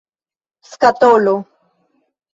skatolo